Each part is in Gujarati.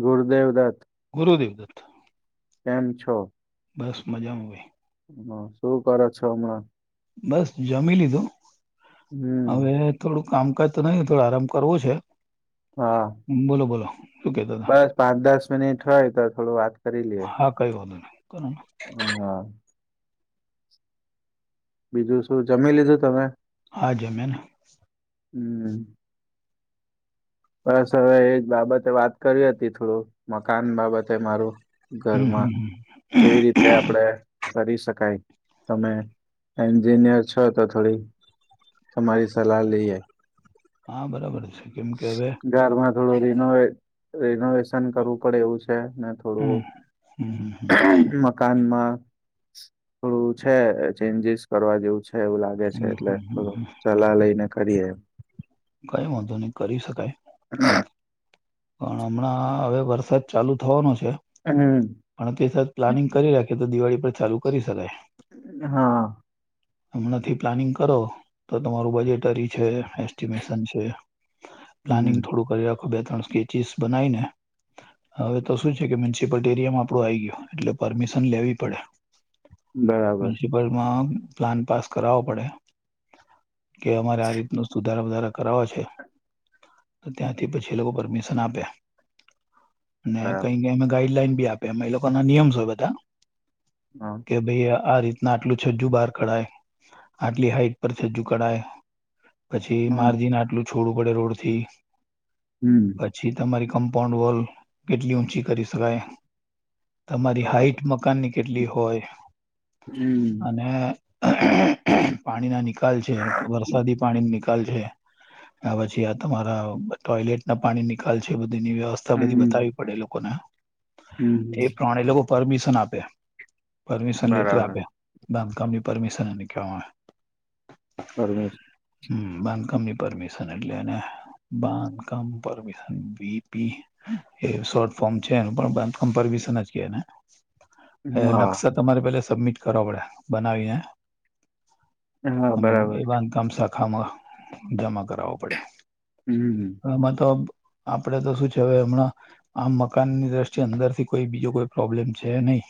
ગુરુ દેવદત્ત ગુરુ દેવદત્ત કેમ છો? બસ મજામાં ભાઈ હ શું કરો છો હમણાં? બસ જમી લીધું હમ હવે થોડુંક કામકાજ તો નહી થોડો આરામ કરવો છે. હા બોલો બોલો શું કહેતા હતા બસ પાંચ દસ મિનિટ હોય તો થોડું વાત કરી લીએ. હા કઈ વાંધો નહીં કરો ને હા બીજું શું જમી લીધું તમે? હા જમ્યાને. હમ હમ બસ હવે એજ બાબતે વાત કરવી હતી થોડું મકાન બાબતે મારું હમ ઘરમાં હમ કેવી રીતે હમ આપડે કરી શકાય. તમે એન્જિનિયર છો તો થોડી તમારી સલાહ લઈએ. હા બરાબર છે કેમ કે હવે ઘરમાં થોડું રિનોવેટ રિનોવેશન કરવું પડે એવું છ છે ને હમ થોડું હમ હમ હમ મક કાનમાં થોડું છે, ચેન્જીસ કરવા જેવું છે. છે એવું લાગે છે હમ એટલે હમ હમ થોડું હમ. ચલા લઈને કરીએ એમ. કઈ વાંધો નહીં કરી શકાય. [inaudible] પણ હમણાં હવે વરસાદ ચાલુ થવાનો છે. હમ છે. પણ તે સાથ પ્લાનિંગ કરી રાખીએ તો દિવાળી પર ચાલુ કરી શકાય. હા હમણાંથી પ્લાનિંગ કરો તો તમારું બજેટરી છે, એસ્ટિમેશન છે. પ્લાનિંગ હમ થોડું કરી રાખો બે ત્રણ સ્કેચિસ બનાઈને હવે તો શું છે કે મ્યુનિસિપટ એરિયામાં આપડું આઈ ગયું એટલે પરમિશન લેવી પડે. બરાબર મ્યુનિસિપલમાં પ્લાન પાસ કરાવો પડે. કે અમારે આ રીતનું સુધારા વધારા કરાવા છે. તો ત્યાંથી પછી એ લોકો પરમિશ શન આપે અને બરાબર કંઈક એમે ગાઈડલાઈન બી આપે એમ એ લોકોના નિયમસ હોય બધાં હા કે ભઈ આ રીતના અટલું છજ્જુ બહાર કઢાય, આટલી હાઈટ પર છજુ કઢાય. પછી હમ માર્જિન આટલું છોડુ પડે રોડથી હમ પછી તમારી કમ્પાઉન્ડ વોલ કેટલી ઊંચી કરી શકાય. તમારી હાઈટ બરાબર મકાનની કેટલી હોય, હમ અને પાણીના નિકાલ છે, વરસાદી પાણી નિક કાલ છે ને પછી આ તમારા ટોયલેટના પાણી નિકાલ છે એ બધ ની વ્યવસ્થા બધી હમ બતાવી પડે એ લોકોને હમ એ પ્રમાણે એ લોકો પરમિશન આપે પરમિશન લેટર બરાબર આપે બાંધકામની પરમિશન અને કેહવામા આવે પરમિશ હમ બાંધકામની પરમિશન એટલે બાંધકામ પરમિશન બિલ શોર્ટ ફોર્મ છે એમ્પેરશન જ કેને એ હા નકશા તમારે પેલા સબમિટ કરવા પડે બનાવીને હા બરાબર એ છે. બાંધકામ શાખામાં જમા કરાવો પડે હમ હ મ તો આપડે તો શું છે હવે હમણાં આમ મકાનની દ્રષ્ટિએ અંદર થી કોઈ બીજો કોઈ પ્રોબ્લેમ છે નહી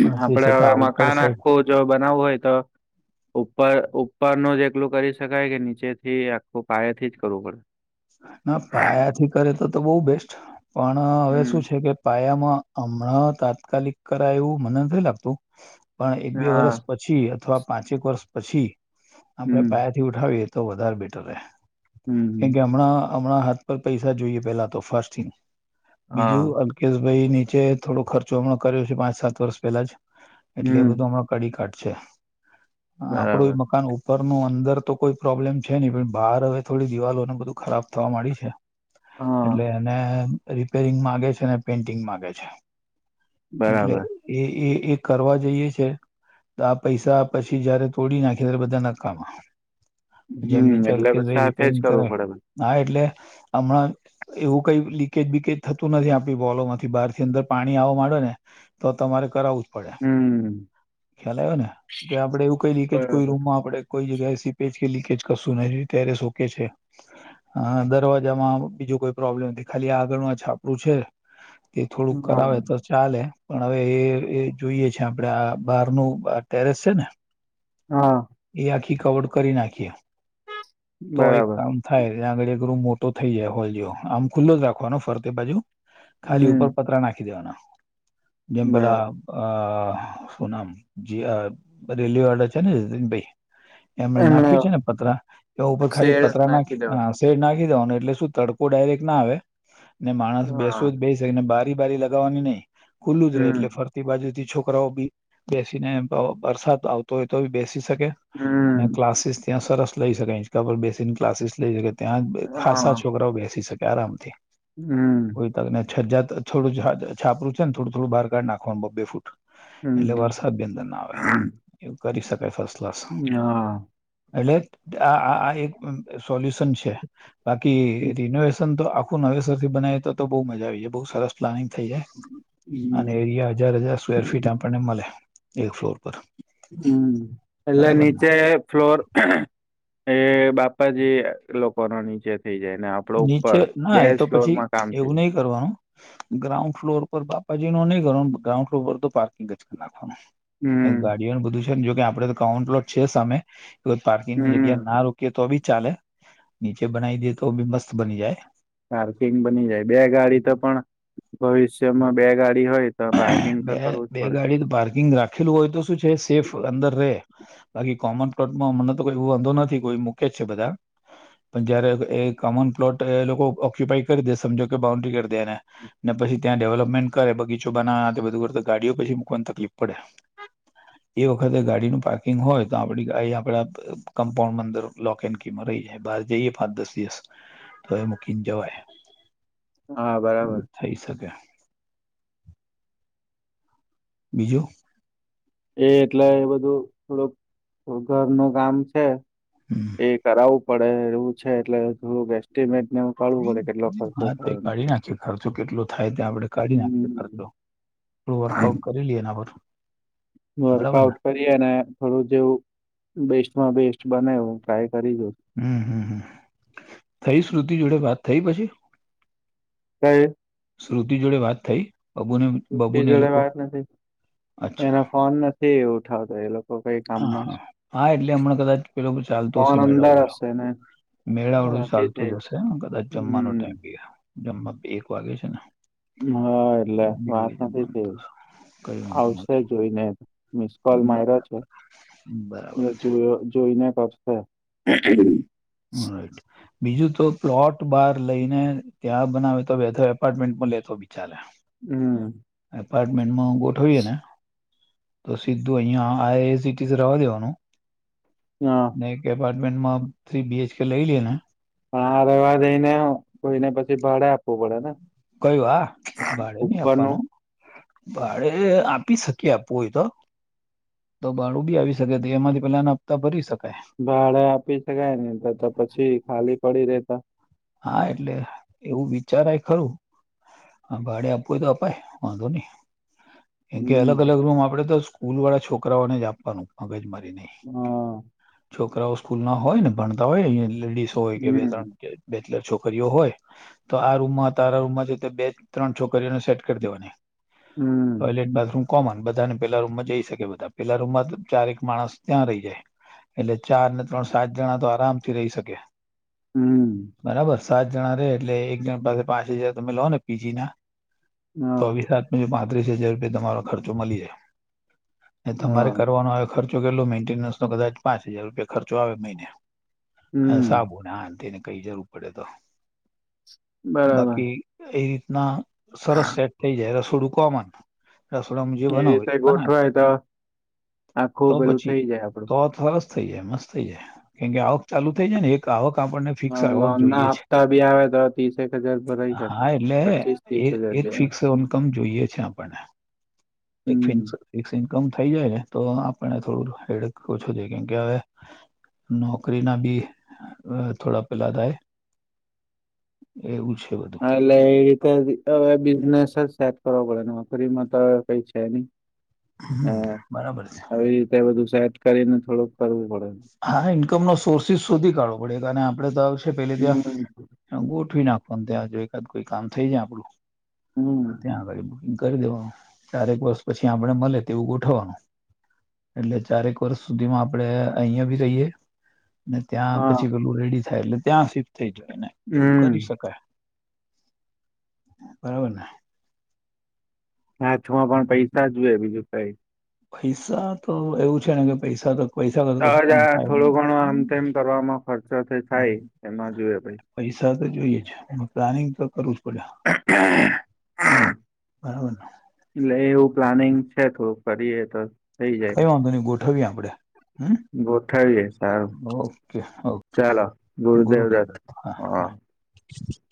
પણ તે આપડે છતાં હવે આઉટર મકાન સાઈડ આખવું જો બનાવવું હોય તો ઉપર ઉપરનું જ એકલું કરી શકાય કે નીચેથી આખું પયાેથી જ કરવું પડે ના પાયાથી કરે તો તો બહુ બેસ્ટ પણ હવે શું છે હમ કે પાયામાં હમણાં તાત્કાલિક કરાય એવું મને નથી લાગતું પણ એક બે હા વર્ષ પછી અથવા પાંચેક વર્ષ પછી આપણે હમ પાયાથી ઉઠાવી હતી તો વધારે બેટર રહે કેમ હમ કે હમણાં હમણાં હાથ પર પૈસા જોઈએ પેલા તો ફર્સ્ટ થિંગ હા બીજું અલ્કેશભાઈ નીચે થોડો ખર્ચો હમણા કર્યો છે પાંચ સાત વર્ષ પહેલા જ એટલે એ બધું હમ હમણા કડી કાઢ છે આપડું બરાબર એ મકાન ઉપર ઉપર ન અંદર તો કોઈ પ્રોબ્લેમ છે નહી પણ બહાર હવે થોડી દિવાલોને બધું ખરાબ થવા માંડી છે. એટલે હા એને રિપેરિંગ માગે છે અને પેન્ટિંગ માગે છે. એટલે બરાબર એ એ એ કરવા જઈએ છે. તો આ પૈસા પછી જયારે તોડી નાખે ત્યારે બધા નકામાં જેમની હમ ચાલ એટલે કે ભાઈ સાથે જ રીપેરિંગ કરે કરવું પડે બધું. હા એટલે હમણાં એવું કઈ લીકેજ બીકેજ થતું નથી આપડી બોલો માંથી બારથી અંદર પાણી પાણી આવો માંડે ને તો તમારે કરાવું જ પડે હમ ખ્યાલ આવ્યો ને કે આપડે એવું કઈ રીતે જ કોઈ બરાબર રૂમમાં આપડે કોઈ જગ્યાએ સીપેજ કે લીકેજ કરશું ન ત્યારે શોકે છે અ દરવાજામાં બીજું કોઈ પ્રોબ્લેમ નથી ખાલી આ આગળનું આ છાપરું છે તે થોડુંક હા કરાવવે તો ચાલ એ પણ હવે એ જોઈએ છે આપણેે આ બહારનું ટેરેસ છે ને હા ખી કવડ કરી નાખીએ તો એક બરાબર કામ થાય ત્યાં આગળ એક રુંમ મોટો થઈ જાય હોલ જેો આમ ખુલ્લો જ રાખવાનો ફરતે બાજુ ખાલી ઉપર હમ પત્ર નાખી દેવાના જેમ પલા બરાબર અ શું નામ રેલી વાળ છે ને જન ભાઈ એમણે નાખ્યું છે ને પતરા એ ઉપર ખાલી શેડ પતરા નાખી દેવા ના શેર ના ત ડક ના આવે હા બે બારી લગાવવાની નહી ખુલ્લું જ રહે એટલે હમ ફરતી બાજુ છોકરાઓ બી બેસીને વરસાદ આવતો હોય તોી બેસી અને હમ ક્લાસીસ ત્યાં સરસ લઈ શકે ઇંચકા પર બેસીને ક્લાસીસ લઈ શકે ત્યાં ખાસ હા છોકરાઓ બેસી શકે આરામથી હમ કોઈ તક ને છજાત થોડું છાપરું છે થોડું થોડું બાર કાઢ નાખવાનું બે ફૂટ એટલે હમ હમ વર્ષા અભ્યંદનના આવે એવું કરી સકાય ફસ્ટ ક્લાસ હા એટલે એક સોલ્યુશન છે હમ બાકી રિનોવેશન તો આ નવેસરથી બના્યા તો બુ મજા આવીાય બહુ સરસ પ્લાનિંગ થઈ જાય અને એરિયા હજાર હજાર સ્વેર ફીટ આપણને મળે એક ફ્લોર પર હમ એટલે બરાબર ને નીચે ફ્લોર એ બાપાજી લોકો ના નીચે થઈ જાય ને આપડો નીચે ઉપર ના બે એ તો ફ્લોર પછી માં કામ થઈ એવું જાય નહી કરવાનું ગ્રાઉન્ડ ફ્લોર પર બાપાજી નો નહીં કરવાનું ગ્રાઉન્ડ ફ્લોર પર તો પાર્કિંગ જ ખના આમ એ ને હમ ગાડીઓનું બધું છે ને જોકે આપડે તો ગ્રાઉન્ડ ફ્લોર છે સામે પ-પાર્કિંગની હમ જગ્યાના રોકીએ તો બી ચાલે. નીચે બનાવી દે તો બી મસ્ત બની જાય પાર્કિંગ બની જાય બે ગાડી તો પણ ભવિષ્યમાં બે ગાડી હોય તો પાર્કિંગ તો બે કરવું જ બે પડે ગાડી પાર્કિંગ રાખેલું હોય તો શું છે સેફ અંદર રે બાકી કોમન પ્લોટમાં મને તો કોઈ એવ વાંધો નથી કોઈ મૂકે જ છે બધા. પણ જયારે એ કોમન પ્લોટ એ લોકો ઓક્યુપાય કરી દે સમજો કે બાઉન્ડ્રી કરી દે એને ને પછી ત્યાં ડેવલપમેન્ટ કરે બગીચો બનાવવાના બધું કર તો ગાડીઓ પછી મૂકવાની તકલીફ પડે. એ વખતે ગાડીનું પાર્કિંગ હોય તો આપડી ગાડી એ આપડા કમ્પાઉન્ડ માં અંદર લોકે એન કીમાં રહે બાર જઈએ પાંચ દસ દિવસ તો એ મૂકીને જવાય. હા બ બરાબર થઈ શકે. બીજું એ એટલે એ બધું થોડુંક ઘરના કામ છે હમ એ કરાવવું પડે એવું છે એટલે થોડુંક એસ્ટિમેટ હા તો તે કાઢી નાખી ખર્ચો કેટલો થાય ત્યાં આપડે કાઢી નાખીએ હમ ખર્ચો. થોડું વર્કઆઉટ કરી લઈએ એના પર. બરાબર ને વર્કઆઉટ કરીએ ને થોડું જેવું બેસ્ટમાં બેસ્ટ બનેું ટ્રાય કરી જોઉ હમ્મ, હમ્મ, હમ્મ થઈ શ્રુતિ જોડે વાત થઈ પછી? કઈ? શ્રુતિ જોડે વાત થઈ? બબુને શ્રુતિ બબુને એ જોડે લોકો વાત ના થઈ. અચ્છા એના ફોન નથી એ ઉઠાવતો એ લોક હા હા હા એટલે હમણાં કદાચ પેલો ચાલતો ફોન હશે મેળા અંદર વડેલો. હશે ને મેળા વડું નથી ચાલતું થઈ જ હશે કદાચ જમવાનો હમ ટાઈમ બી હૈ. જમવાત એક વાગે છે ને? હા, એટલે એક બી વાત વાગે નથી જમવાનું તો થઈ. હશે. કઈ વાંધો આવશે નથી જોઈને મિસકોલ બ- માઇરો [inaudible] મ બરાબર જોયો જોઈને કરશે. હા એટ બીજુ તો પ્લોટ બાર લઈને ત્યાં બનાવે તો વેધર એપાર્ટમેન્ટમાં લેતો બી ચાલે હમ્મ. એપાર્ટમેન્ટમાં ગોઠવીએ ને તો સીધું અહિયાં આ એજ ઈ ટીજ રવા દેવાનું, હા ને કે એપાટ મેન્ટ માં થ્રી રબી એચ કે લઈ લે ને હા રેહવા દઈને, કોઈને પછી ભાડે આપવું પડે ને? કયું આ ભાડે નહી ઉપરનું આપવાનું ભાડે એ આપી શકીએ આપવું હોય તો તો બાાડું બી આવી શકે તો એમાંથી પેલાના હપ્તા ભરી શક ભાડે આપી શકાય તો તો પછી ખાલી પડી રેતા હા, એટલે એવું વિચારાય ખરું. આ ભાડે આપવું હોય તો અપાય વાંધો નહી. કેમ કે અલગ હમ અલગ રૂમ આપે તો સ્કૂલ વાળા છોકરાઓને જ આપવાનું. મગજ માર રી નહીં. હા છોકરાઓ સ્કૂલ ના હોય ને ભણતા હોય અહીંયા લેડીસ હોય કે બે હમ ત્રણ કે એટલે છોકરીઓ હોય, તો આ રૂમમાં તારા રૂમમાં જે બે ત્રણ છોકરીઓને સેટ કરી દેવાની. હમ ટોયલેટ બાથરૂમ કોમન બધાને પેલા રૂમમાં જઈ શકે બધા પેલા રૂમમાં ચારેક માણસ ત્યાં રહી જાય. એટલે ચાર ને ત્રણ સાત જણા તો આરામથી રહી શકે. હમ બરાબર સાત જણા રે એટલે એક જણ પાસે પાંચ હજાર તમે લો ને પી જી ના હા તોવિસાત હાથ ને પાંત્રીસ હજાર રૂપિયા તમારો ખર્ચો મલી જાય. તમારે હા કરવાનો હોય ખર્ચો કેટલો મેન્ટેનન્સ નો કદાચ પાંચ હજાર રૂપિયા ખર્ચો આવે મહિને હ હમ સાબુને આને તેને કઈ દેવ પડે તો બરાબર બાકી એ રીતના સરસ સેટ થઈ જાય રસોડું કોમન રસોડામાં જે એ બનાવું રીતે તો બનાવે ગોઠવાય તો આખું તો પેલું પછી થઈ જાય આપડું તો થરસ થઈ જાય મસ્ત થઈ જાય કેમ કે આવક ચાલુ થઈ જાય ને એક આવક આપણને ફિક્સર આવક લોન ના જોઈએ છે હપ્તા બી આવે તો ત્રીસેક હજાર ભરાઈ શકે. હા એટલે પચીસ ત્રીસ હજાર એક જેવા ફિક્સ ઈકમ જોઈએ છે આપને હમ. [unintelligible] ગમ થઈ જાય ને તો આપણને થોડું હેડ ઓછું છેઈ કેહેવાય નોકરી ના ભી થોડા પેલાદાય એવું છે બધું એ રીતે હવે બિઝનેસ જ સેટ કરો પડે તમે છોરીમાં તો કઈ છે નહી હમ બરાબર છે આવી રીતે બધું સેત કરી ને થોડુંક કરવું પડે. હા ઇન્કમ નો સોર્સિસ સુધી કાઢવો પાડે આપડે તો પેલે હમ ત્યાં ગોઠવી નાખવા ત્યાં જો એક કા કોઈ કામ થઈ જાય આપડું હમ ત્યાં આગાળ કરી દેવાનું ચારેક વર્ષ પછી આપડે મળે તેવું ગોઠવવાનું એટલે ચારેક વર્ષ સુધીમાં આપણે અહિયાં ભી કહીએ ને ત્યાં હા પછી પેલું રેડી થાય એટલે ત્યાં શિફ્ટ થઈ જાયને એવું હમ. કરી શકાય બરાબર ને હાથમાં પણ પૈસા જુએ બીજું કાઈ નહિ પૈસા તો એવું છે ને કે પૈસા તો પૈસા કરતા કશું કામ થાય આવાજવામાથોડું ઘણું આમ નહી તેમમ કરવામાં ખર્ચો થ થાય એમાં જુએ ભાઈ સાથે જોઈએ પ્લાનિંગ તો કરવું જ પડે પૈસા. બરાબર ને એટલે એવું પ્લાનિંગ છે તો કરીએ તો કઈ વાંધો નહી ગોઠવીએ આપડે હમ ગોઠાવએે સારું ઓકે ઓકે ચાલો ગુરુદેવ દત હા [unintelligible]